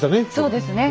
そうですね。